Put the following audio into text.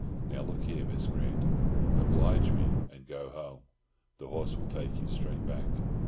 Now look here, Miss Grant, oblige me and go home. The horse will take you straight back."